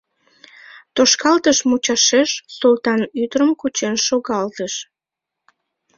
Тошкалтыш мучашеш Султан ӱдырым кучен шогалтыш.